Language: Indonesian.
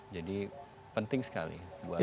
jadi penting sekali